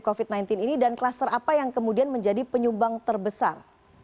covid sembilan belas ini dan kluster apa yang kemudian menjadi penyumbang terbesar